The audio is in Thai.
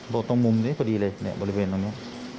ตรงมุมนี้พอดีเลยเนี่ยบริเวณตรงนี้